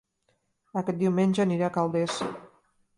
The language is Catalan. Aquest diumenge aniré a Calders